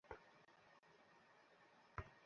ও আরামসে ওহ, ধ্যাৎ।